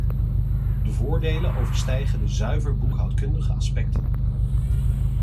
De voordelen overstijgen de zuiver boekhoudkundige aspecten.